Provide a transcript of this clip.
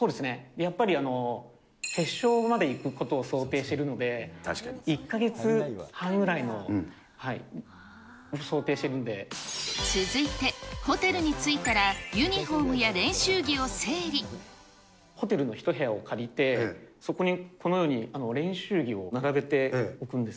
やっぱり決勝まで行くことを想定しているので、続いて、ホテルに着いたらユホテルの１部屋を借りて、そこにこのように練習着を並べておくんです。